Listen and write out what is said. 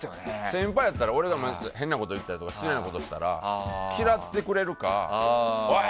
先輩やったら俺らが変なこと言ったり失礼なことしたら嫌ってくれるかおい！